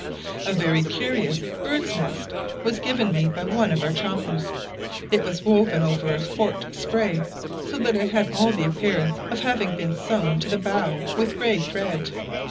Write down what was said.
] A very curious bird's nest was given me by one of our choppers; it was woven over a forked spray, so that it had all the appearance of having been sewn to the bough with grey thread.